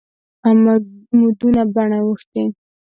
مدونه بڼه وښتي.